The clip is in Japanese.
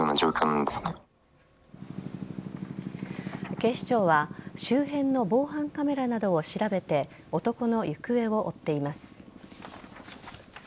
警視庁は周辺の防犯カメラなどを調べて男の行方を追っています。